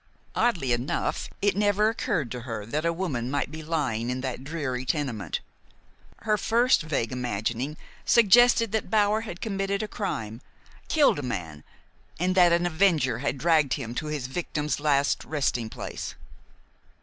Oddly enough, it never occurred to her that a woman might be lying in that dreary tenement. Her first vague imagining suggested that Bower had committed a crime, killed a man, and that an avenger had dragged him to his victim's last resting place.